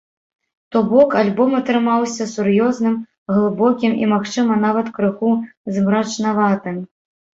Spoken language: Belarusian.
То бок, альбом атрымаўся сур'ёзным, глыбокім і, магчыма, нават крыху змрачнаватым.